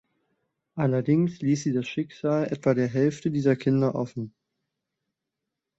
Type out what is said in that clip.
Allerdings ließ sie das Schicksal etwa der Hälfte dieser Kinder offen.